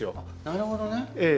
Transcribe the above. なるほどね。